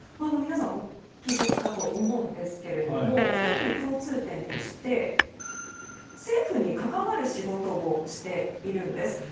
皆さんお気づきかと思うんですが２人の共通点として政府に関わる仕事をしているんです。